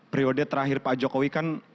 prio de terakhir pak jokowi kan